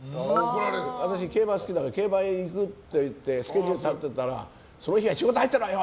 私、競馬好きだから競馬へ行くって言ってスケジュール立てたらその日は仕事入ってるわよ！